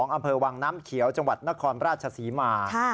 อำเภอวังน้ำเขียวจังหวัดนครราชศรีมา